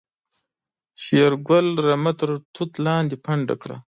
شېرګل رمه تر توت لاندې پنډه کړه.